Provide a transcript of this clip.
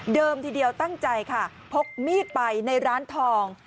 ทีเดียวตั้งใจค่ะพกมีดไปในร้านทอง